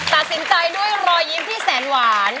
ตัดสินใจด้วยรอยยิ้มที่แสนหวาน